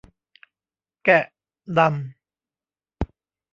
แกะดำ